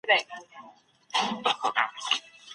که شنه بوټي له منځه لاړ شي، انسان زیان ویني.